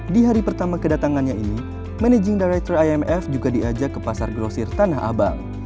di hari pertama kedatangannya ini managing director imf juga diajak ke pasar grosir tanah abang